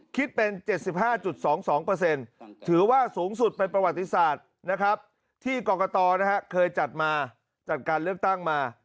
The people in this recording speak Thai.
คิดเป็น๗๕๒๒